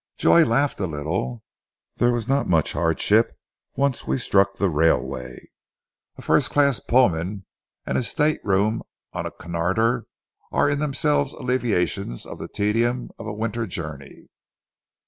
Joy laughed a little. "There was not much hardship once we struck the railway. A first class Pullman and a state room on a Cunarder are in themselves alleviations of the tedium of a winter journey!"